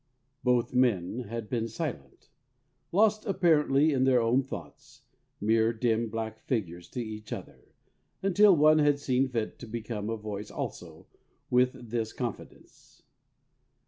Both men had been silent, lost apparently in their own thoughts, mere dim black figures to each other, until one had seen fit to become a voice also, with this confidence.